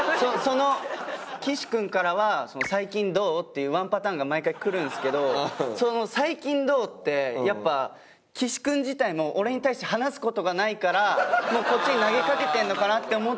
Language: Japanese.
岸君からは「最近どう？」っていうワンパターンが毎回くるんですけど「最近どう？」ってやっぱ岸君自体も俺に対して話す事がないからこっちに投げかけてるのかな？って思っちゃって。